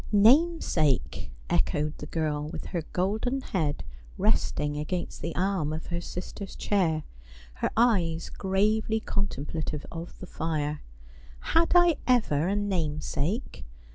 ' Namesake !' echoed the girl, with her golden head resting against the arm of her sister's chair, her eyes gravely contem plative of the fire. ' Had I ever a namesake